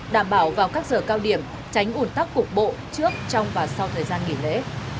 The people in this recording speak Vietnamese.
đảm bảo vào các giờ cao điểm tránh ủn tắc cục bộ trước trong và sau thời gian nghỉ lễ